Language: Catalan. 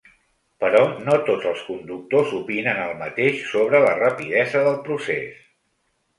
Però no tots els conductors opinen el mateix sobre la rapidesa del procés.